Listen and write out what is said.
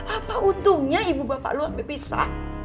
apa untungnya ibu bapak lo hampir bisa